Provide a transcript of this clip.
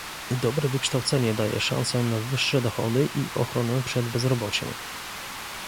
dobre wykształcenie daje szansę na wyższe dochody i ochronę przed bezrobociem